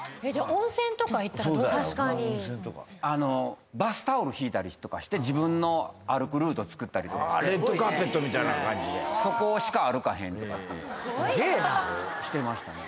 温泉とか確かにバスタオル敷いたりとかして自分の歩くルートつくったりとかしてレッドカーペットみたいな感じでそこしか歩かへんとかっていうすげえなしてましたね